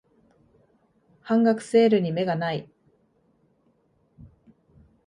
半額セールに目がない